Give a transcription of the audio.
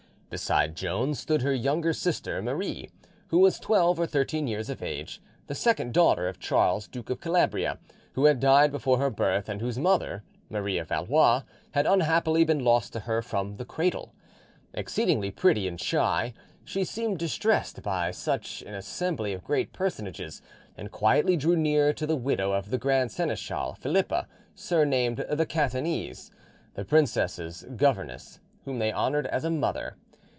Beside Joan stood her younger sister, Marie, who was twelve or thirteen years of age, the second daughter of Charles, Duke of Calabria, who had died before her birth, and whose mother, Marie of Valois, had unhappily been lost to her from her cradle. Exceedingly pretty and shy, she seemed distressed by such an assembly of great personages, and quietly drew near to the widow of the grand seneschal, Philippa, surnamed the Catanese, the princesses' governess, whom they honoured as a mother.